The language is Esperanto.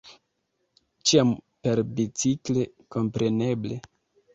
Ĉiam perbicikle, kompreneble!